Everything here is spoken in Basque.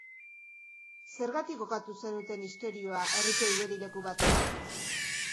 Zergatik kokatu zenuten istorioa herriko igerileku batean?